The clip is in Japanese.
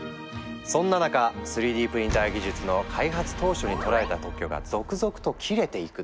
そんな中３Ｄプリンター技術の開発当初に取られた特許が続々と切れていくの！